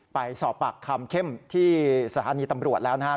ไปสอบปากคำเข้มที่สถานีตำรวจแล้วนะครับ